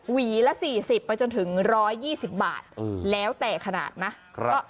หวีละ๔๐ไปจนถึง๑๒๐บาทแล้วแต่ขนาดนะ